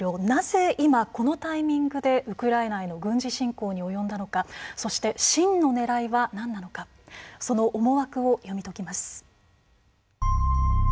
なぜ今、このタイミングでウクライナへの軍事侵攻に及んだのかそして、真の狙いはなんなのかその思惑を読み解きます。